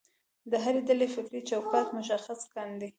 د هرې ډلې فکري چوکاټ مشخص کاندي.